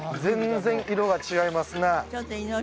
全然色が違いますね